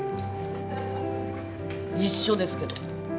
一緒ですけど。